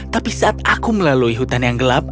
tapi saat aku melalui hutan yang gelap